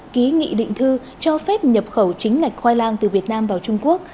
ký nghị định thư cho phép nhập khẩu chính ngạch khoai lang từ việt nam vào trung quốc